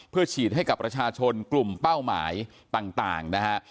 เพื่อฉีดให้กับประชาชนกลุ่มเป้าหมายต่างนะฮะ